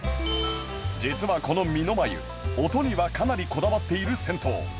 実はこの三の輪湯音にはかなりこだわっている銭湯